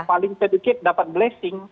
paling sedikit dapat blessing